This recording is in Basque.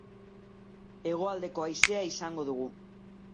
Hegoaldeko haizea izango dugu.